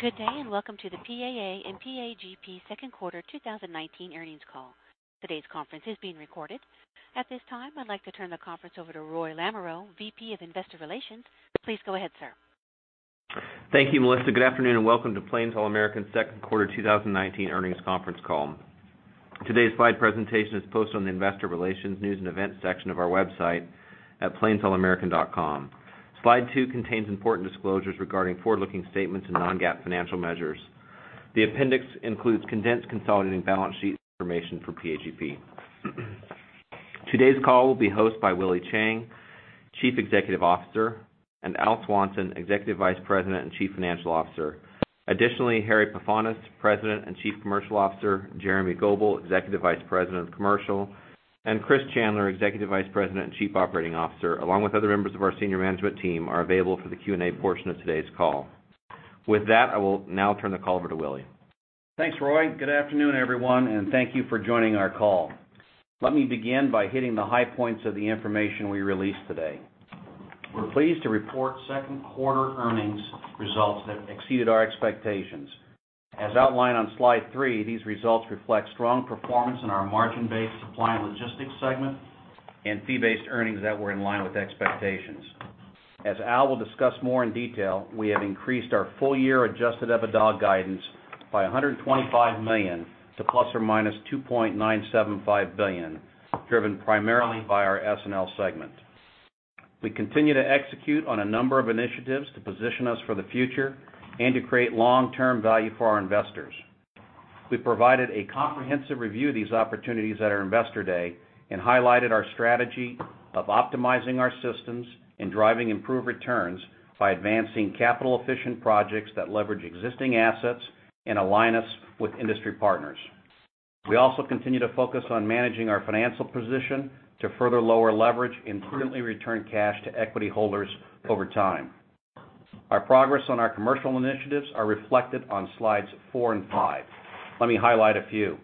Good day, and welcome to the PAA and PAGP second quarter 2019 earnings call. Today's conference is being recorded. At this time, I'd like to turn the conference over to Roy Lamoreaux, VP of Investor Relations. Please go ahead, sir. Thank you, Melissa. Good afternoon, welcome to Plains All American's second quarter 2019 earnings conference call. Today's slide presentation is posted on the investor relations, news, and events section of our website at plains.com. Slide two contains important disclosures regarding forward-looking statements and non-GAAP financial measures. The appendix includes condensed consolidated balance sheet information for PAGP. Today's call will be hosted by Willie Chiang, Chief Executive Officer, and Al Swanson, Executive Vice President and Chief Financial Officer. Additionally, Harry Pefanis, President and Chief Commercial Officer, Jeremy Goebel, Executive Vice President of Commercial, and Chris Chandler, Executive Vice President and Chief Operating Officer, along with other members of our senior management team, are available for the Q&A portion of today's call. With that, I will now turn the call over to Willie. Thanks, Roy. Good afternoon, everyone, and thank you for joining our call. Let me begin by hitting the high points of the information we released today. We are pleased to report second quarter earnings results that exceeded our expectations. As outlined on slide three, these results reflect strong performance in our margin-based Supply and Logistics segment and fee-based earnings that were in line with expectations. As Al will discuss more in detail, we have increased our full-year adjusted EBITDA guidance by $125 million to ±$2.975 billion, driven primarily by our S&L segment. We continue to execute on a number of initiatives to position us for the future and to create long-term value for our investors. We provided a comprehensive review of these opportunities at our investor day and highlighted our strategy of optimizing our systems and driving improved returns by advancing capital-efficient projects that leverage existing assets and align us with industry partners. We also continue to focus on managing our financial position to further lower leverage and prudently return cash to equity holders over time. Our progress on our commercial initiatives are reflected on slides four and five. Let me highlight a few.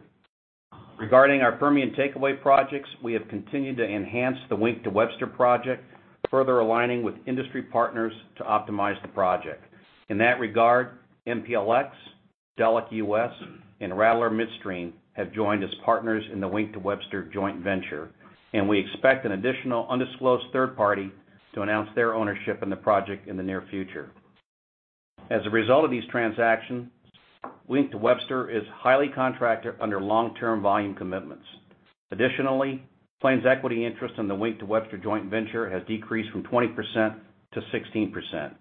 Regarding our Permian takeaway projects, we have continued to enhance the Wink to Webster project, further aligning with industry partners to optimize the project. In that regard, MPLX, Delek US, and Rattler Midstream have joined as partners in the Wink to Webster joint venture, and we expect an additional undisclosed third party to announce their ownership in the project in the near future. As a result of these transactions, Wink to Webster is highly contracted under long-term volume commitments. Additionally, Plains' equity interest in the Wink to Webster joint venture has decreased from 20% to 16%.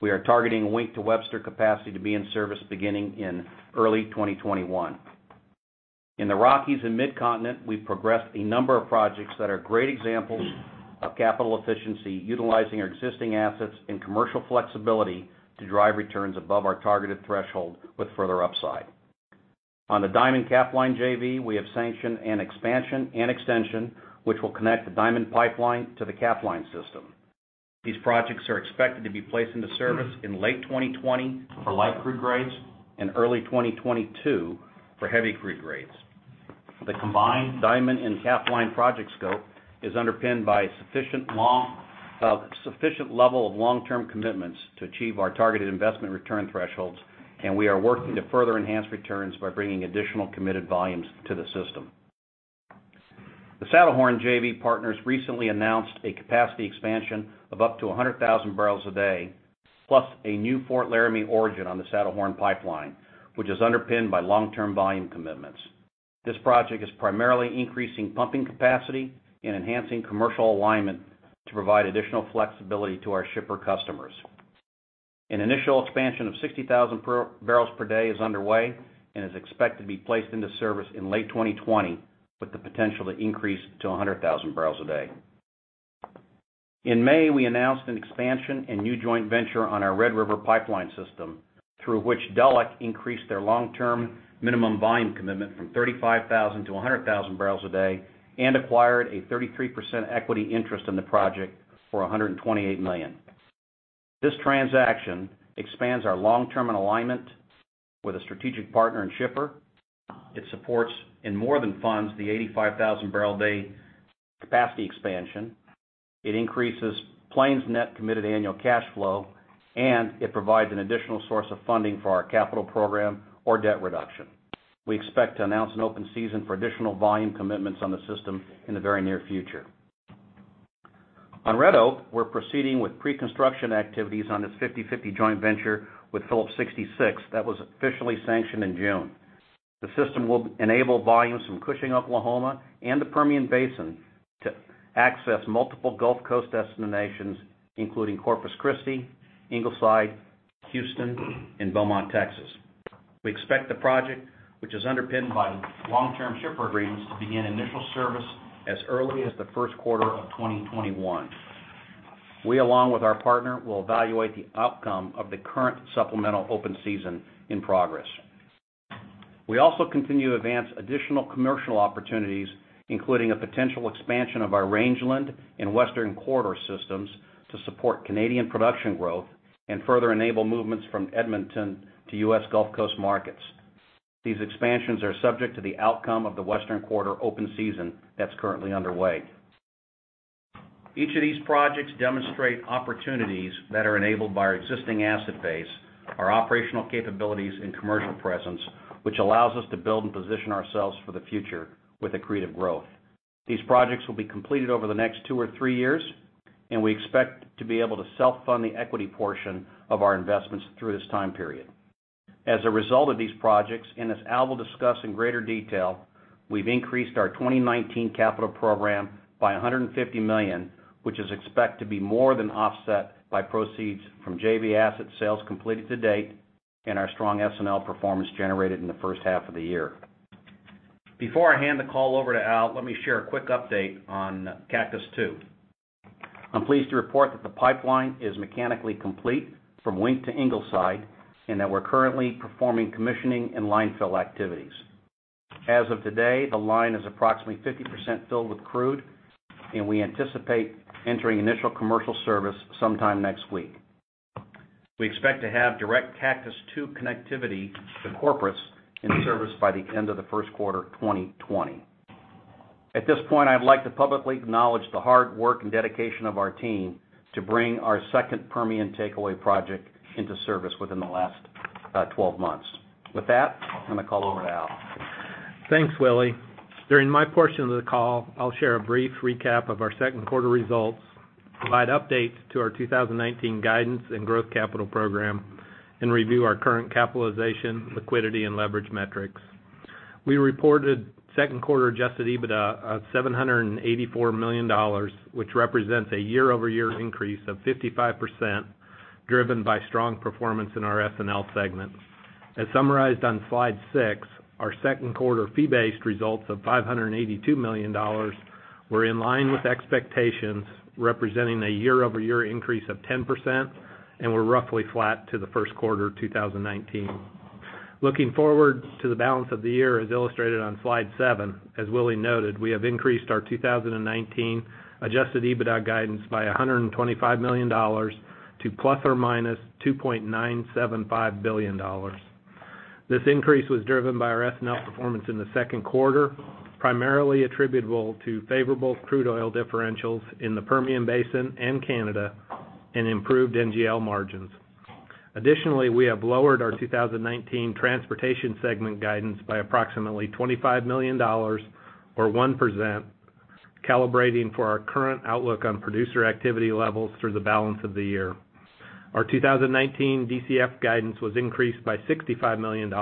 We are targeting Wink to Webster capacity to be in service beginning in early 2021. In the Rockies and Midcontinent, we've progressed a number of projects that are great examples of capital efficiency, utilizing our existing assets and commercial flexibility to drive returns above our targeted threshold with further upside. On the Diamond Capline JV, we have sanctioned an expansion and extension which will connect the Diamond Pipeline to the Capline system. These projects are expected to be placed into service in late 2020 for light crude grades and early 2022 for heavy crude grades. The combined Diamond and Capline project scope is underpinned by a sufficient level of long-term commitments to achieve our targeted investment return thresholds, and we are working to further enhance returns by bringing additional committed volumes to the system. The Saddlehorn JV partners recently announced a capacity expansion of up to 100,000 barrels a day, plus a new Fort Laramie origin on the Saddlehorn pipeline, which is underpinned by long-term volume commitments. This project is primarily increasing pumping capacity and enhancing commercial alignment to provide additional flexibility to our shipper customers. An initial expansion of 60,000 barrels per day is underway and is expected to be placed into service in late 2020, with the potential to increase to 100,000 barrels a day. In May, we announced an expansion and new joint venture on our Red River Pipeline system, through which Delek increased their long-term minimum volume commitment from 35,000 to 100,000 barrels a day and acquired a 33% equity interest in the project for $128 million. This transaction expands our long-term alignment with a strategic partner and shipper. It supports and more than funds the 85,000-barrel-a-day capacity expansion. It increases Plains' net committed annual cash flow. It provides an additional source of funding for our capital program or debt reduction. We expect to announce an open season for additional volume commitments on the system in the very near future. On Red Oak, we're proceeding with pre-construction activities on this 50/50 joint venture with Phillips 66 that was officially sanctioned in June. The system will enable volumes from Cushing, Oklahoma, and the Permian Basin to access multiple Gulf Coast destinations, including Corpus Christi, Ingleside, Houston, and Beaumont, Texas. We expect the project, which is underpinned by long-term shipper agreements, to begin initial service as early as the first quarter of 2021. We, along with our partner, will evaluate the outcome of the current supplemental open season in progress. We also continue to advance additional commercial opportunities, including a potential expansion of our Rangeland and Western Corridor systems to support Canadian production growth and further enable movements from Edmonton to U.S. Gulf Coast markets. These expansions are subject to the outcome of the Western Corridor open season that's currently underway. Each of these projects demonstrate opportunities that are enabled by our existing asset base, our operational capabilities, and commercial presence, which allows us to build and position ourselves for the future with accretive growth. These projects will be completed over the next two or three years, and we expect to be able to self-fund the equity portion of our investments through this time period. As a result of these projects, and as Al will discuss in greater detail, we've increased our 2019 capital program by $150 million, which is expected to be more than offset by proceeds from JV asset sales completed to date and our strong S&L performance generated in the first half of the year. Before I hand the call over to Al, let me share a quick update on Cactus II. I'm pleased to report that the pipeline is mechanically complete from Wink to Ingleside, and that we're currently performing commissioning and line fill activities. As of today, the line is approximately 50% filled with crude, and we anticipate entering initial commercial service sometime next week. We expect to have direct Cactus II connectivity to Corpus in service by the end of the first quarter of 2020. At this point, I'd like to publicly acknowledge the hard work and dedication of our team to bring our second Permian takeaway project into service within the last 12 months. With that, I'm going to call over to Al. Thanks, Willie. During my portion of the call, I will share a brief recap of our second quarter results, provide updates to our 2019 guidance and growth capital program, and review our current capitalization, liquidity, and leverage metrics. We reported second quarter adjusted EBITDA of $784 million, which represents a year-over-year increase of 55%, driven by strong performance in our S&L segment. As summarized on slide six, our second quarter fee-based results of $582 million were in line with expectations, representing a year-over-year increase of 10% and were roughly flat to the first quarter 2019. Looking forward to the balance of the year, as illustrated on slide seven, as Willie noted, we have increased our 2019 adjusted EBITDA guidance by $125 million to ±$2.975 billion. This increase was driven by our S&L performance in the second quarter, primarily attributable to favorable crude oil differentials in the Permian Basin and Canada and improved NGL margins. Additionally, we have lowered our 2019 transportation segment guidance by approximately $25 million, or 1%, calibrating for our current outlook on producer activity levels through the balance of the year. Our 2019 DCF guidance was increased by $65 million,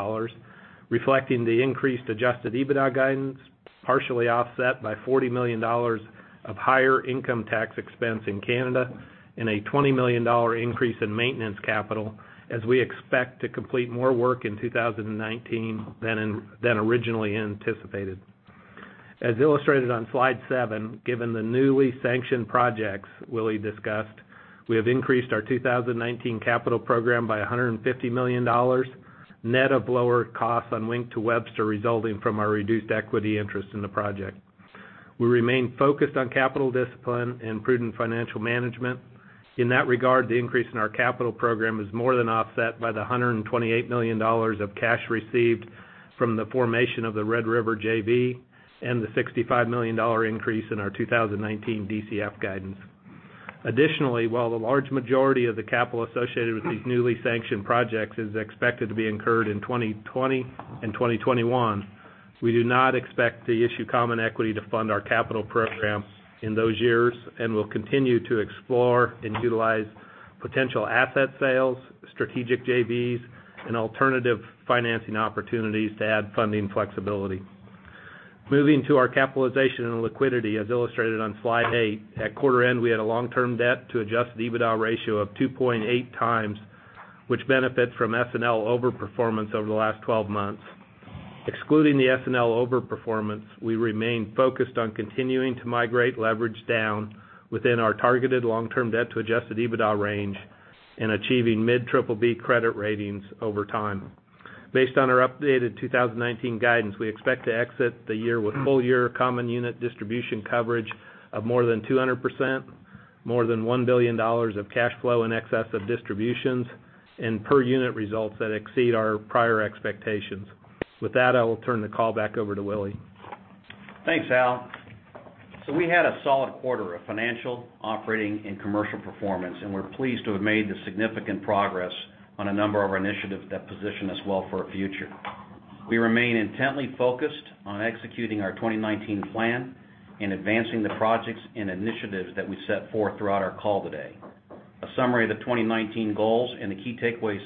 reflecting the increased adjusted EBITDA guidance, partially offset by $40 million of higher income tax expense in Canada and a $20 million increase in maintenance capital, as we expect to complete more work in 2019 than originally anticipated. As illustrated on slide seven, given the newly sanctioned projects Willie discussed, we have increased our 2019 capital program by $150 million, net of lower costs on Wink to Webster resulting from our reduced equity interest in the project. We remain focused on capital discipline and prudent financial management. In that regard, the increase in our capital program is more than offset by the $128 million of cash received from the formation of the Red River JV and the $65 million increase in our 2019 DCF guidance. Additionally, while the large majority of the capital associated with these newly sanctioned projects is expected to be incurred in 2020 and 2021, we do not expect to issue common equity to fund our capital program in those years and will continue to explore and utilize potential asset sales, strategic JVs, and alternative financing opportunities to add funding flexibility. Moving to our capitalization and liquidity, as illustrated on slide eight, at quarter end, we had a long-term debt to adjusted EBITDA ratio of 2.8 times, which benefits from S&L overperformance over the last 12 months. Excluding the S&L overperformance, we remain focused on continuing to migrate leverage down within our targeted long-term debt to adjusted EBITDA range and achieving mid-BBB credit ratings over time. Based on our updated 2019 guidance, we expect to exit the year with full-year common unit distribution coverage of more than 200%, more than $1 billion of cash flow in excess of distributions, and per unit results that exceed our prior expectations. With that, I will turn the call back over to Willie. Thanks, Al. We had a solid quarter of financial, operating, and commercial performance, and we're pleased to have made significant progress on a number of our initiatives that position us well for our future. We remain intently focused on executing our 2019 plan and advancing the projects and initiatives that we set forth throughout our call today. A summary of the 2019 goals and the key takeaways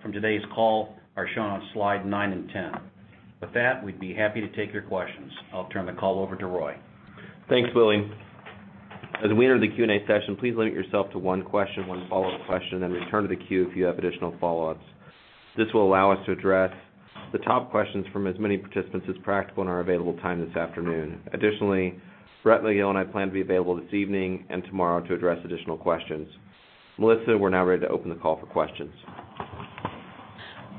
from today's call are shown on slides nine and 10. With that, we'd be happy to take your questions. I'll turn the call over to Roy. Thanks, Willie. As we enter the Q&A session, please limit yourself to one question, one follow-up question, and return to the queue if you have additional follow-ups. This will allow us to address the top questions from as many participants as practical in our available time this afternoon. Blake Fernandez and I plan to be available this evening and tomorrow to address additional questions. Melissa, we're now ready to open the call for questions.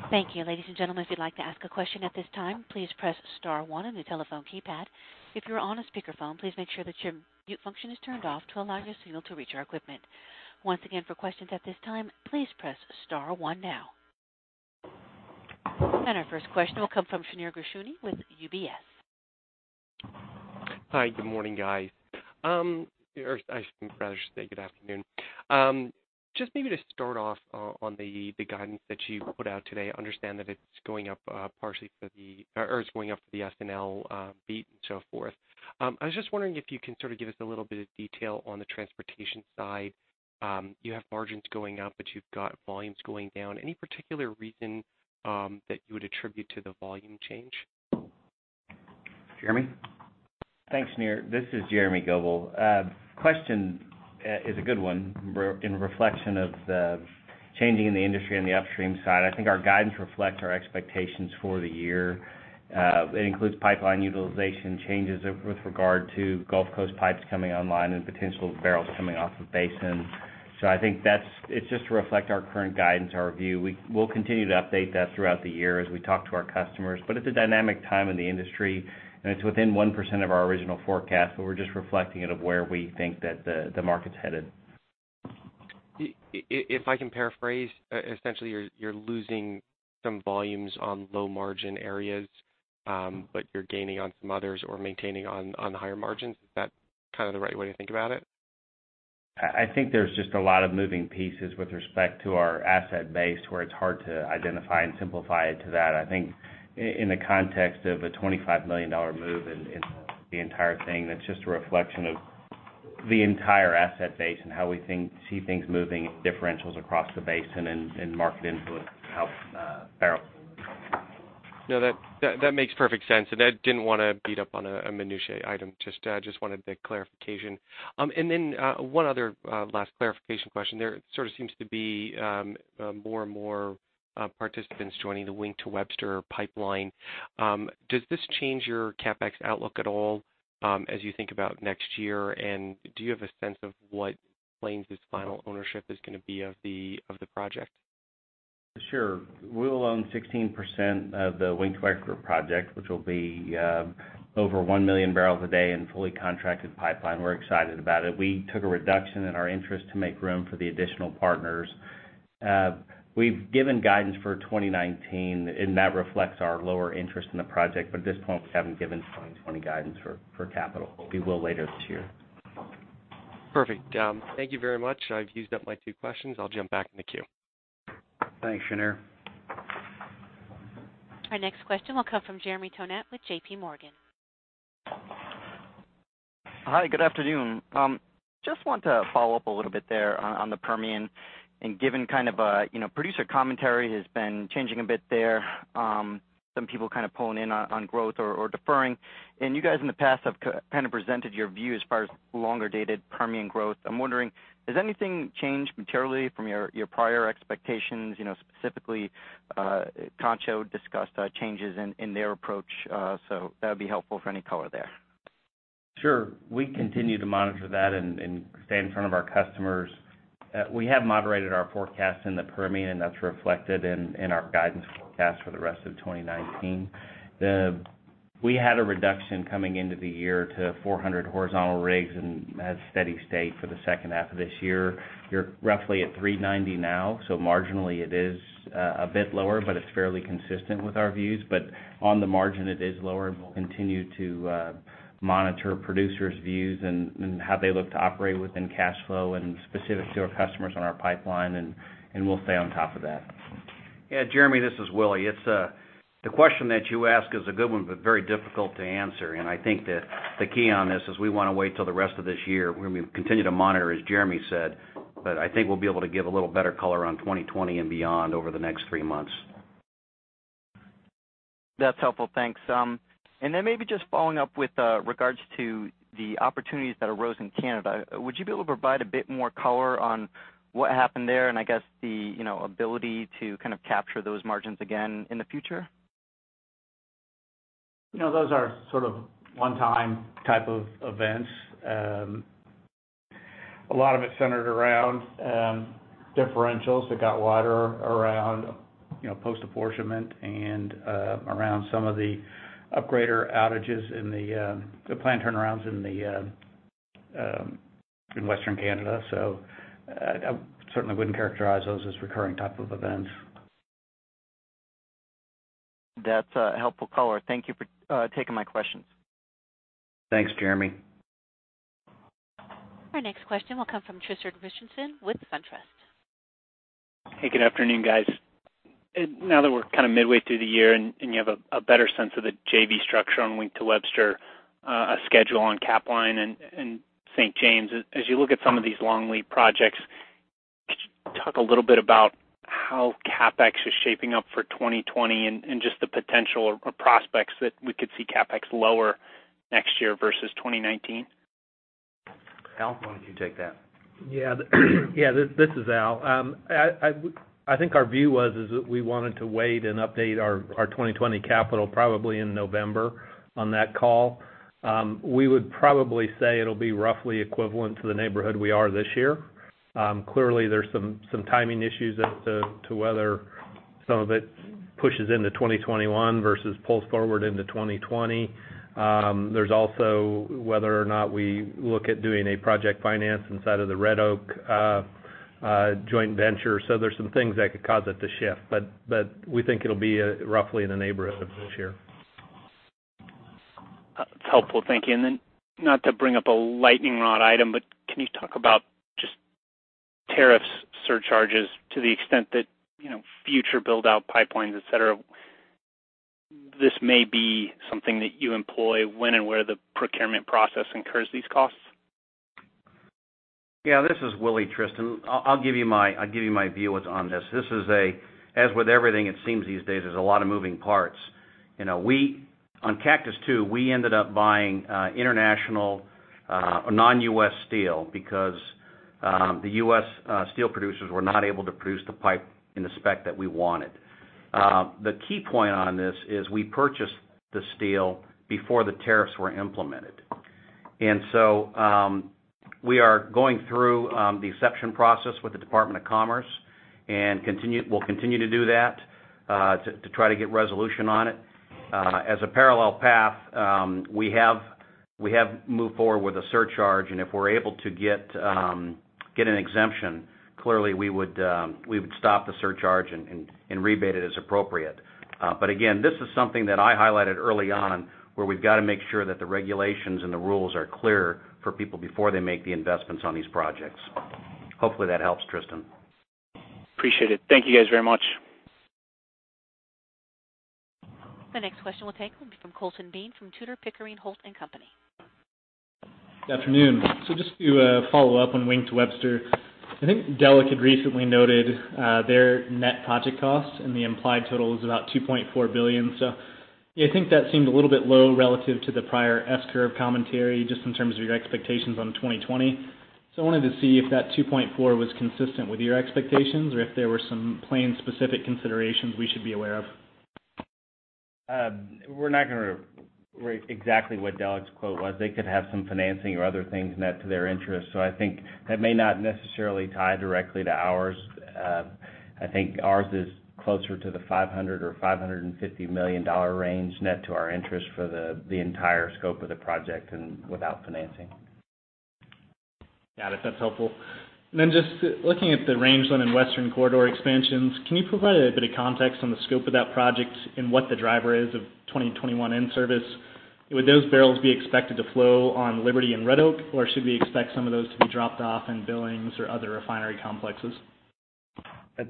Thank you. Ladies and gentlemen, if you'd like to ask a question at this time, please press *1 on your telephone keypad. If you are on a speakerphone, please make sure that your mute function is turned off to allow your signal to reach our equipment. Once again, for questions at this time, please press *1 now. Our first question will come from Shneur Gershuni with UBS. Hi, good morning, guys. I should rather say good afternoon. Just maybe to start off on the guidance that you put out today, I understand that it's going up for the S&L beat and so forth. I was just wondering if you can sort of give us a little bit of detail on the transportation side. You have margins going up, but you've got volumes going down. Any particular reason that you would attribute to the volume change? Jeremy? Thanks, Shneur. This is Jeremy Goebel. Question is a good one in reflection of the changing in the industry on the upstream side. I think our guidance reflects our expectations for the year. It includes pipeline utilization changes with regard to Gulf Coast pipes coming online and potential barrels coming off of basins. I think it's just to reflect our current guidance, our view. We'll continue to update that throughout the year as we talk to our customers, but it's a dynamic time in the industry, and it's within 1% of our original forecast, but we're just reflecting it of where we think that the market's headed. If I can paraphrase, essentially, you're losing some volumes on low-margin areas, but you're gaining on some others or maintaining on the higher margins. Is that kind of the right way to think about it? I think there's just a lot of moving pieces with respect to our asset base, where it's hard to identify and simplify it to that. I think in the context of a $25 million move in the entire thing, that's just a reflection of the entire asset base and how we see things moving in differentials across the basin and market influence, how barrels move. No, that makes perfect sense. I didn't want to beat up on a minutiae item. Just wanted the clarification. One other last clarification question there. It sort of seems to be more and more participants joining the Wink to Webster Pipeline. Does this change your CapEx outlook at all as you think about next year, and do you have a sense of what Plains' final ownership is going to be of the project? Sure. We will own 16% of the Wink to Webster project, which will be over 1 million barrels a day in fully contracted pipeline. We're excited about it. We took a reduction in our interest to make room for the additional partners. We've given guidance for 2019. That reflects our lower interest in the project. At this point, we haven't given 2020 guidance for capital. We will later this year. Perfect. Thank you very much. I've used up my two questions. I'll jump back in the queue. Thanks, Shneur. Our next question will come from Jeremy Tonet with J.P. Morgan. Hi, good afternoon. Just want to follow up a little bit there on the Permian, and given kind of a producer commentary has been changing a bit there. Some people kind of pulling in on growth or deferring. You guys in the past have kind of presented your view as far as longer-dated Permian growth. I'm wondering, has anything changed materially from your prior expectations? Specifically, Concho discussed changes in their approach. That would be helpful for any color there. Sure. We continue to monitor that and stay in front of our customers. We have moderated our forecast in the Permian, and that's reflected in our guidance forecast for the rest of 2019. We had a reduction coming into the year to 400 horizontal rigs and that's steady state for the second half of this year. You're roughly at 390 now, so marginally it is a bit lower, but it's fairly consistent with our views. On the margin, it is lower, and we'll continue to monitor producers' views and how they look to operate within cash flow and specific to our customers on our pipeline, and we'll stay on top of that. Jeremy, this is Willie. The question that you ask is a good one, but very difficult to answer. I think that the key on this is we want to wait till the rest of this year when we continue to monitor, as Jeremy said. I think we'll be able to give a little better color on 2020 and beyond over the next three months. That's helpful. Thanks. Then maybe just following up with regards to the opportunities that arose in Canada. Would you be able to provide a bit more color on what happened there and I guess the ability to kind of capture those margins again in the future? Those are sort of one-time type of events. A lot of it centered around differentials that got wider around post-apportionment and around some of the upgrader outages in the plant turnarounds in Western Canada. I certainly wouldn't characterize those as recurring type of events. That's a helpful color. Thank you for taking my questions. Thanks, Jeremy. Our next question will come from Tristan Richardson with SunTrust. Hey, good afternoon, guys. We're kind of midway through the year and you have a better sense of the JV structure on Wink to Webster, a schedule on Capline and St. James. You look at some of these long lead projects, could you talk a little bit about how CapEx is shaping up for 2020 and just the potential or prospects that we could see CapEx lower next year versus 2019? Al, why don't you take that? This is Al. I think our view was is that we wanted to wait and update our 2020 capital probably in November on that call. We would probably say it'll be roughly equivalent to the neighborhood we are this year. Clearly, there's some timing issues as to whether some of it pushes into 2021 versus pulls forward into 2020. There's also whether or not we look at doing a project finance inside of the Red Oak joint venture. There's some things that could cause it to shift, but we think it'll be roughly in the neighborhood for sure. That's helpful. Thank you. Then not to bring up a lightning rod item, but can you talk about just tariff surcharges to the extent that future build-out pipelines, et cetera, this may be something that you employ when and where the procurement process incurs these costs? Yeah, this is Willie, Tristan. I'll give you my view on this. As with everything it seems these days, there's a lot of moving parts. On Cactus II, we ended up buying international non-U.S. steel because the U.S. steel producers were not able to produce the pipe in the spec that we wanted. The key point on this is we purchased the steel before the tariffs were implemented. We are going through the exception process with the Department of Commerce and we'll continue to do that to try to get resolution on it. As a parallel path, we have moved forward with a surcharge, and if we're able to get an exemption, clearly we would stop the surcharge and rebate it as appropriate. Again, this is something that I highlighted early on where we've got to make sure that the regulations and the rules are clear for people before they make the investments on these projects. Hopefully that helps, Tristan. Appreciate it. Thank you guys very much. The next question we'll take will be from Colton Bean, from Tudor, Pickering, Holt & Co. Good afternoon. Just to follow up on Wink to Webster. I think Delek had recently noted their net project cost and the implied total is about $2.4 billion. I think that seemed a little bit low relative to the prior S-curve commentary, just in terms of your expectations on 2020. I wanted to see if that 2.4 was consistent with your expectations or if there were some Plains specific considerations we should be aware of. We're not going to rate exactly what Delek's quote was. They could have some financing or other things net to their interest. I think that may not necessarily tie directly to ours. I think ours is closer to the $500 or $550 million range net to our interest for the entire scope of the project and without financing. Got it. That's helpful. Just looking at the Rangeland and Western Corridor expansions, can you provide a bit of context on the scope of that project and what the driver is of 2021 in-service? Would those barrels be expected to flow on Liberty and Red Oak, or should we expect some of those to be dropped off in Billings or other refinery complexes?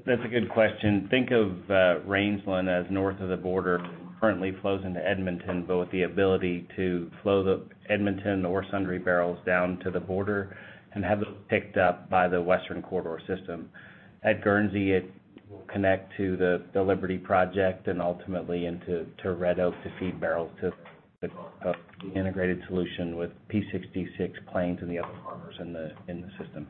That's a good question. Think of Rangeland as north of the border currently flows into Edmonton, but with the ability to flow the Edmonton or Sundre barrels down to the border and have those picked up by the Western Corridor system. At Guernsey, it will connect to the Liberty Project and ultimately into Red Oak to feed barrels to the integrated solution with P66, Plains and the other partners in the system.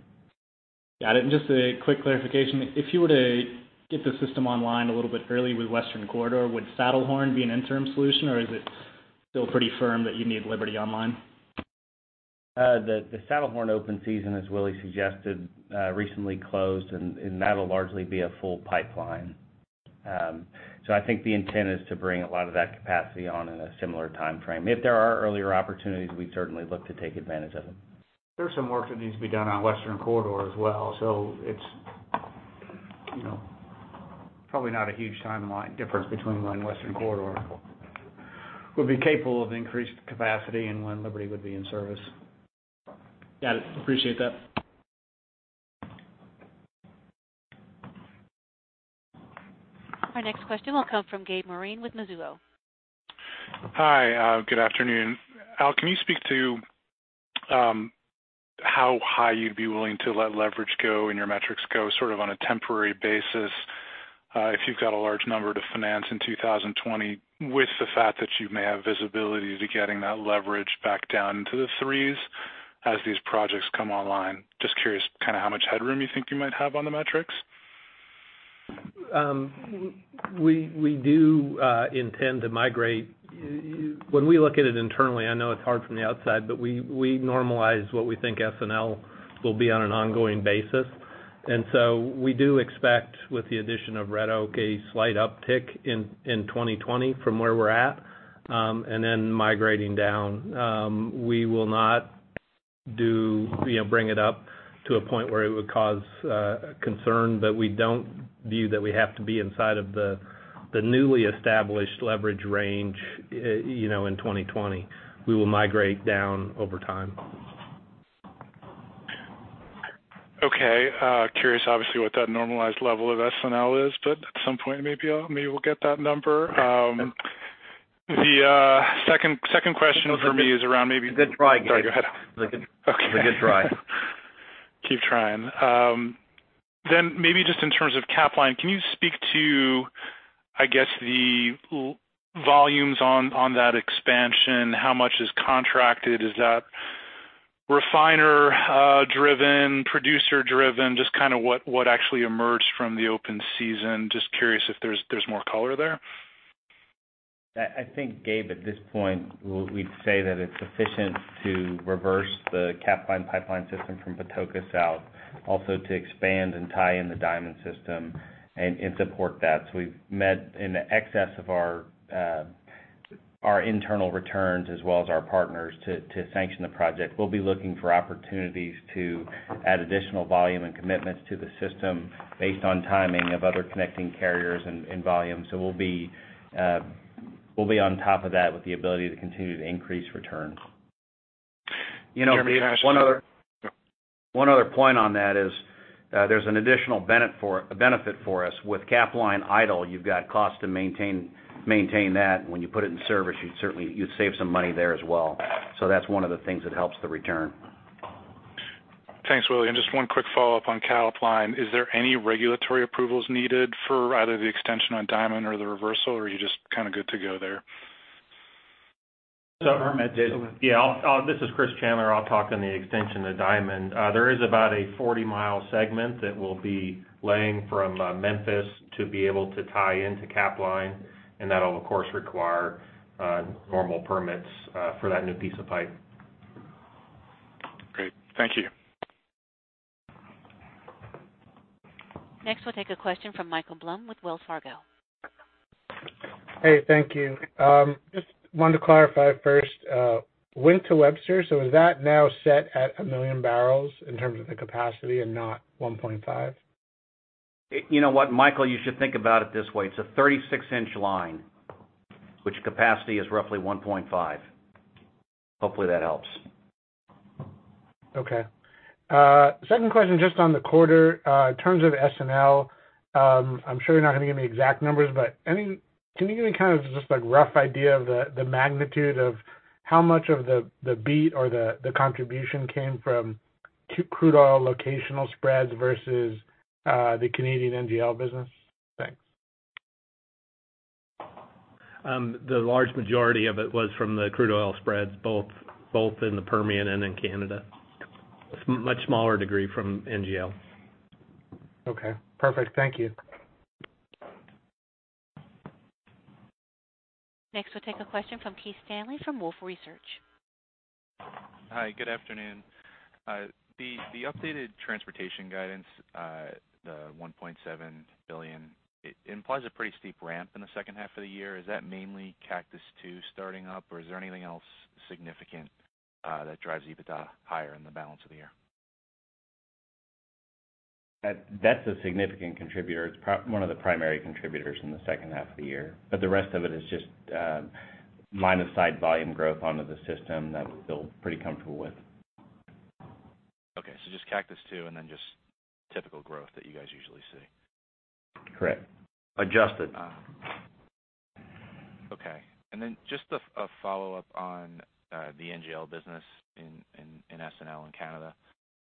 Got it. Just a quick clarification, if you were to get the system online a little bit early with Western Corridor, would Saddlehorn be an interim solution or is it still pretty firm that you need Liberty online? The Saddlehorn open season, as Willie suggested, recently closed, and that'll largely be a full pipeline. I think the intent is to bring a lot of that capacity on in a similar timeframe. If there are earlier opportunities, we'd certainly look to take advantage of them. There's some work that needs to be done on Western Corridor as well, so it's probably not a huge timeline difference between when Western Corridor would be capable of increased capacity and when Liberty would be in service. Got it. Appreciate that. Our next question will come from Gabe Moreen with Mizuho. Hi. Good afternoon. Al, can you speak to how high you'd be willing to let leverage go and your metrics go sort of on a temporary basis if you've got a large number to finance in 2020 with the fact that you may have visibility to getting that leverage back down into the threes as these projects come online? Just curious kind of how much headroom you think you might have on the metrics. We do intend to migrate When we look at it internally, I know it's hard from the outside, but we normalize what we think S&L will be on an ongoing basis. We do expect with the addition of Red Oak, a slight uptick in 2020 from where we're at, and then migrating down. We will not bring it up to a point where it would cause concern, but we don't view that we have to be inside of the newly established leverage range in 2020. We will migrate down over time. Okay. Curious obviously what that normalized level of S&L is, but at some point maybe I'll get that number. The second question for me is around maybe. Good try, Gabe. Sorry, go ahead. Good try. Keep trying. Maybe just in terms of Capline, can you speak to, I guess the volumes on that expansion, how much is contracted? Is that refiner driven, producer driven? Just kind of what actually emerged from the open season. Just curious if there's more color there. I think, Gabe, at this point, we'd say that it's sufficient to reverse the Capline Pipeline system from Patoka south, also to expand and tie in the Diamond Pipeline system and support that. We've met in the excess of our internal returns as well as our partners to sanction the project. We'll be looking for opportunities to add additional volume and commitments to the system based on timing of other connecting carriers and volumes. We'll be on top of that with the ability to continue to increase returns. Jeremy Cash. One other point on that is, there's an additional benefit for us. With Capline idle, you've got cost to maintain that. When you put it in service, you'd save some money there as well. That's one of the things that helps the return. Thanks, Willie. Just one quick follow-up on Capline. Is there any regulatory approvals needed for either the extension on Diamond or the reversal, or are you just kind of good to go there? On the, yeah. This is Chris Chandler, I'll talk on the extension to Diamond. There is about a 40-mile segment that we'll be laying from Memphis to be able to tie into Capline, that'll, of course, require normal permits for that new piece of pipe. Great. Thank you. Next, we'll take a question from Michael Blum with Wells Fargo. Hey, thank you. Just wanted to clarify first, Wink to Webster, is that now set at 1 million barrels in terms of the capacity and not 1.5? You know what, Michael? You should think about it this way. It's a 36-inch line, which capacity is roughly 1.5. Hopefully that helps. Okay. Second question, just on the quarter, in terms of S&L, I'm sure you're not going to give me exact numbers, but can you give me kind of just like rough idea of the magnitude of how much of the beat or the contribution came from crude oil locational spreads versus the Canadian NGL business? Thanks. The large majority of it was from the crude oil spreads, both in the Permian and in Canada. Much smaller degree from NGL. Okay, perfect. Thank you. Next, we'll take a question from Keith Stanley from Wolfe Research. Hi, good afternoon. The updated transportation guidance, the $1.7 billion, it implies a pretty steep ramp in the second half of the year. Is that mainly Cactus II starting up, or is there anything else significant that drives EBITDA higher in the balance of the year? That's a significant contributor. It's one of the primary contributors in the second half of the year. The rest of it is just line-of-sight volume growth onto the system that we feel pretty comfortable with. Okay. Just Cactus II and then just typical growth that you guys usually see. Correct. Adjusted. Okay. Just a follow-up on the NGL business in S&L in Canada.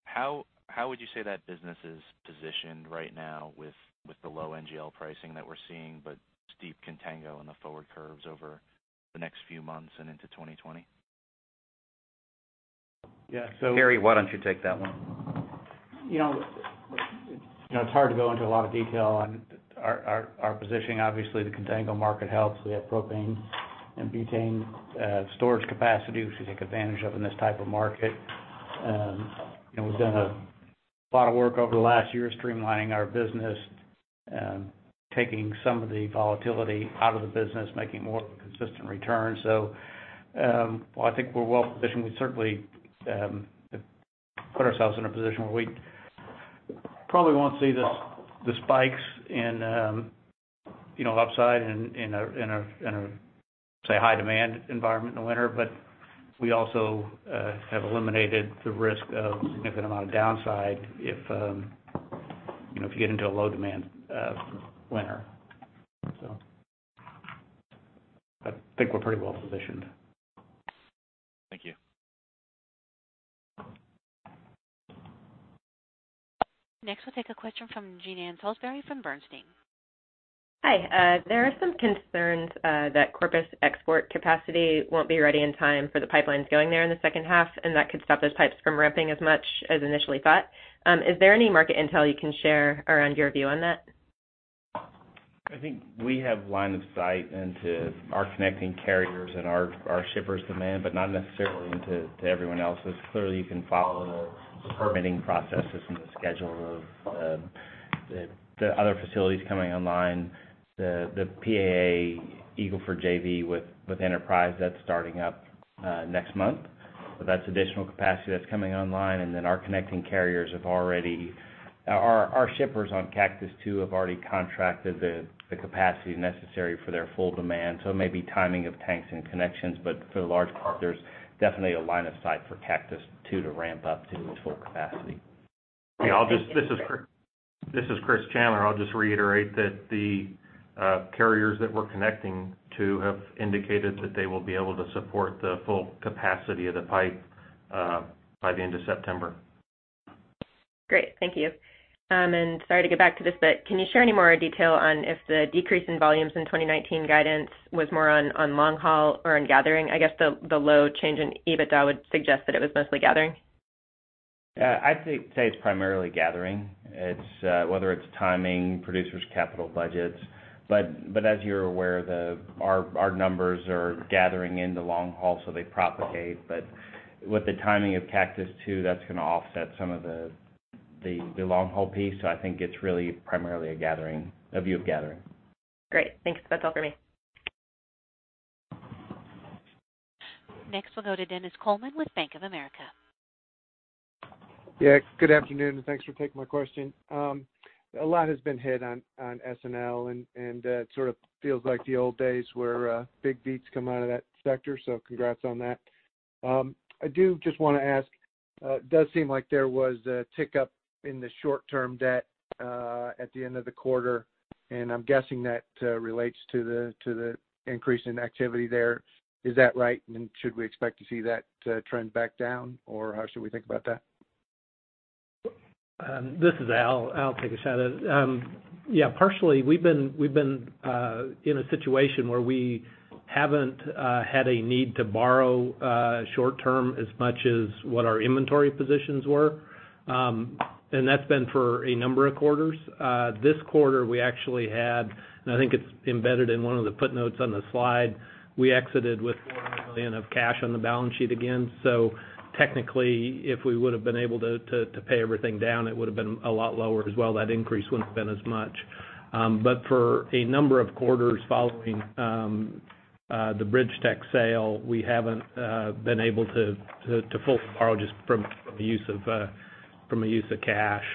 How would you say that business is positioned right now with the low NGL pricing that we're seeing, but steep contango in the forward curves over the next few months and into 2020? Yeah, so- Gary, why don't you take that one? It's hard to go into a lot of detail on our positioning. Obviously, the contango market helps. We have propane and butane storage capacity, which we take advantage of in this type of market. We've done a lot of work over the last year streamlining our business, taking some of the volatility out of the business, making more of a consistent return. I think we're well-positioned. We certainly have put ourselves in a position where we probably won't see the spikes in upside in a, say, high-demand environment in the winter. We also have eliminated the risk of a significant amount of downside if we get into a low-demand winter. I think we're pretty well-positioned. Thank you. Next, we'll take a question from Jean Ann Salisbury from Bernstein. Hi. There are some concerns that Corpus export capacity won't be ready in time for the pipelines going there in the second half, that could stop those pipes from ramping as much as initially thought. Is there any market intel you can share around your view on that? I think we have line of sight into our connecting carriers and our shippers' demand, but not necessarily into everyone else's. Clearly, you can follow the permitting processes and the schedule of the other facilities coming online. The PAA Eagle Ford JV with Enterprise, that's starting up next month. That's additional capacity that's coming online, and then Our shippers on Cactus II have already contracted the capacity necessary for their full demand. It may be timing of tanks and connections, but for the large part, there's definitely a line of sight for Cactus II to ramp up to its full capacity. This is Chris Chandler. I'll just reiterate that the carriers that we're connecting to have indicated that they will be able to support the full capacity of the pipe by the end of September. Great. Thank you. Sorry to get back to this, but can you share any more detail on if the decrease in volumes in 2019 guidance was more on long haul or in gathering? I guess the low change in EBITDA would suggest that it was mostly gathering. Yeah, I'd say it's primarily gathering. Whether it's timing, producers' capital budgets. As you're aware, our numbers are gathering into long haul, so they propagate. With the timing of Cactus II, that's going to offset some of the long-haul piece, so I think it's really primarily a view of gathering. Great. Thanks. That's all for me. Next, we'll go to Dennis Coleman with Bank of America. Yeah. Good afternoon, and thanks for taking my question. A lot has been hit on S&L. It sort of feels like the old days where big beats come out of that sector. Congrats on that. I do just want to ask, it does seem like there was a tick up in the short-term debt at the end of the quarter. I'm guessing that relates to the increase in activity there. Is that right? Should we expect to see that trend back down, or how should we think about that? This is Al. I'll take a shot at it. Yeah, partially, we've been in a situation where we haven't had a need to borrow short-term as much as what our inventory positions were. That's been for a number of quarters. This quarter, we actually had, and I think it's embedded in one of the footnotes on the slide, we exited with more than $1 billion of cash on the balance sheet again. Technically, if we would've been able to pay everything down, it would've been a lot lower as well. That increase wouldn't have been as much. For a number of quarters following the BridgeTex sale, we haven't been able to fully borrow just from a use of cash.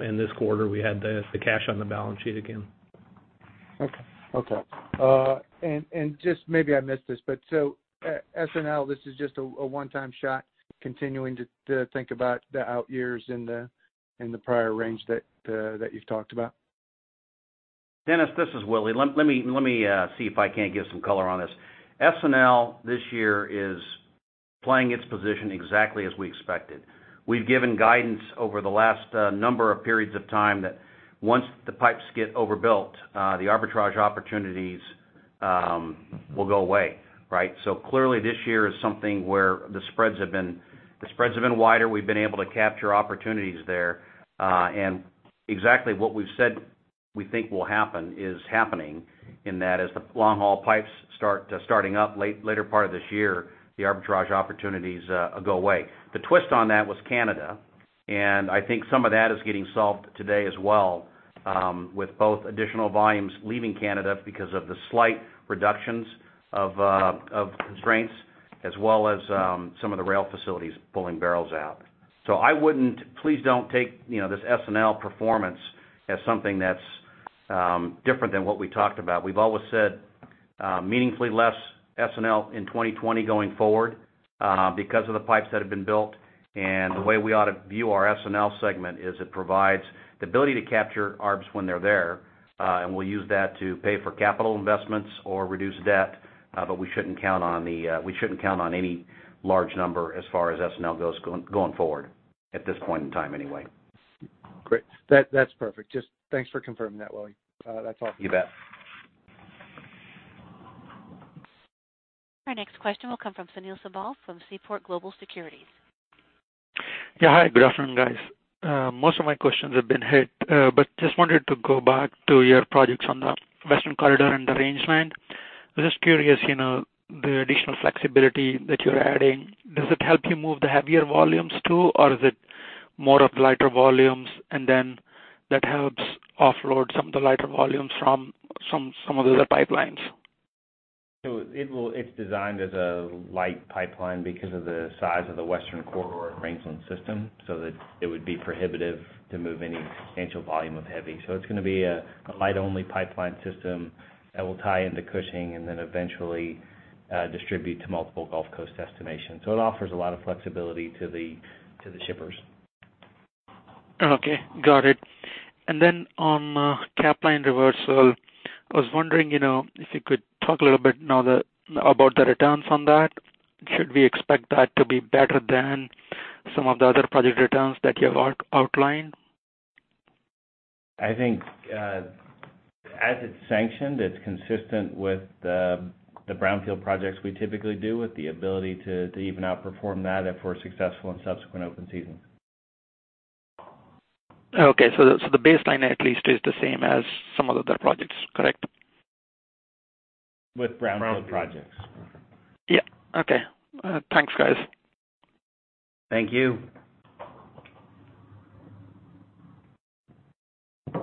In this quarter, we had the cash on the balance sheet again. Okay. Just maybe I missed this, but so S&L, this is just a one-time shot, continuing to think about the out years in the prior range that you've talked about? Dennis, this is Willie. Let me see if I can't give some color on this. S&L this year is playing its position exactly as we expected. We've given guidance over the last number of periods of time that once the pipes get overbuilt, the arbitrage opportunities will go away, right? Clearly this year is something where the spreads have been wider. We've been able to capture opportunities there. Exactly what we've said we think will happen is happening in that as the long-haul pipes starting up later part of this year, the arbitrage opportunities go away. The twist on that was Canada, I think some of that is getting solved today as well, with both additional volumes leaving Canada because of the slight reductions of constraints as well as some of the rail facilities pulling barrels out. Please don't take this S&L performance as something that's different than what we talked about. We've always said meaningfully less S&L in 2020 going forward because of the pipes that have been built. The way we ought to view our S&L segment is it provides the ability to capture arbs when they're there, and we'll use that to pay for capital investments or reduce debt. We shouldn't count on any large number as far as S&L goes going forward at this point in time anyway. Great. That's perfect. Just thanks for confirming that, Willie. That's all. You bet. Our next question will come from Sunil Sibal from Seaport Global Securities. Hi. Good afternoon, guys. Most of my questions have been hit, but just wanted to go back to your projects on the Western Corridor and the Rangeland. I was just curious, the additional flexibility that you're adding, does it help you move the heavier volumes too, or is it more of the lighter volumes, and then that helps offload some of the lighter volumes from some of the other pipelines? It's designed as a light pipeline because of the size of the Western Corridor and Rangeland system. That it would be prohibitive to move any substantial volume of heavy. It's going to be a light-only pipeline system that will tie into Cushing and then eventually distribute to multiple Gulf Coast destinations. It offers a lot of flexibility to the shippers. Okay. Got it. On Capline reversal, I was wondering if you could talk a little bit now about the returns on that. Should we expect that to be better than some of the other project returns that you have outlined? I think, as it's sanctioned, it's consistent with the brownfield projects we typically do, with the ability to even outperform that if we're successful in subsequent open seasons. Okay. The baseline at least is the same as some of the other projects, correct? With brownfield projects. Yeah. Okay. Thanks, guys. Thank you.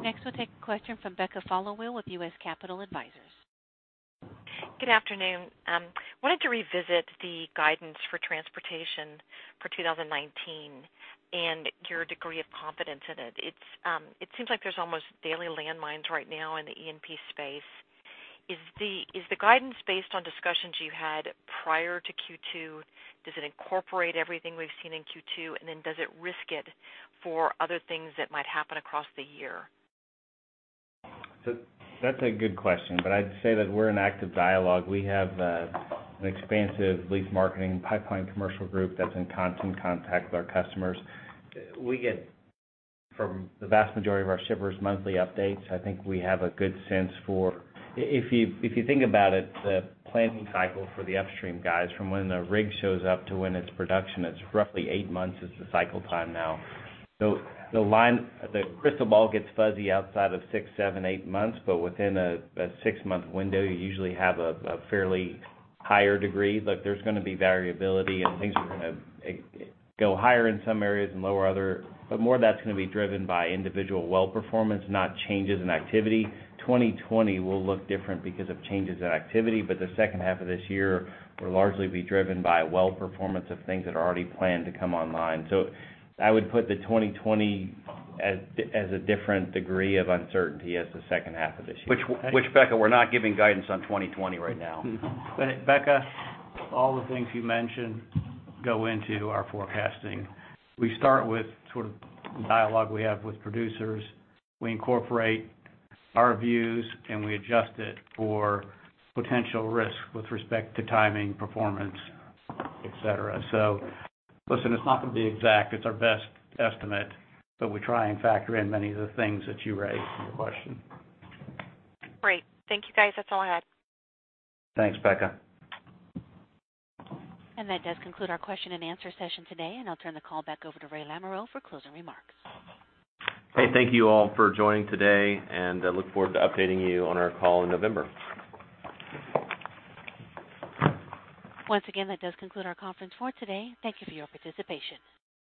Next, we'll take a question from Becca Followill with U.S. Capital Advisors. Good afternoon. Wanted to revisit the guidance for transportation for 2019 and your degree of confidence in it. It seems like there's almost daily landmines right now in the E&P space. Is the guidance based on discussions you had prior to Q2? Does it incorporate everything we've seen in Q2, and then does it risk it for other things that might happen across the year? That's a good question, but I'd say that we're in active dialogue. We have an expansive lease marketing pipeline commercial group that's in constant contact with our customers. We get from the vast majority of our shippers monthly updates. I think we have a good sense. If you think about it, the planning cycle for the upstream guys from when the rig shows up to when it's production, it's roughly 8 months is the cycle time now. The crystal ball gets fuzzy outside of six, seven, eight months, but within a six-month window, you usually have a fairly higher degree. Look, there's going to be variability, and things are going to go higher in some areas and lower other, but more of that's going to be driven by individual well performance, not changes in activity. 2020 will look different because of changes in activity. The second half of this year will largely be driven by well performance of things that are already planned to come online. I would put the 2020 as a different degree of uncertainty as the second half of this year. Which, Becca, we're not giving guidance on 2020 right now. Becca, all the things you mentioned go into our forecasting. We start with sort of dialogue we have with producers. We incorporate our views, and we adjust it for potential risk with respect to timing, performance, et cetera. Listen, it's not going to be exact. It's our best estimate, but we try and factor in many of the things that you raised in your question. Great. Thank you, guys. That's all I had. Thanks, Becca. That does conclude our question and answer session today, and I'll turn the call back over to Roy Lamoreaux for closing remarks. Hey, thank you all for joining today, and I look forward to updating you on our call in November. Once again, that does conclude our conference for today. Thank you for your participation.